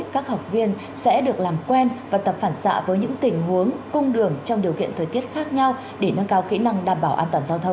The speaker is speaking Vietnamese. các học viên sẽ được làm quen và tập phản xạ với những tình huống